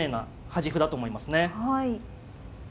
はい。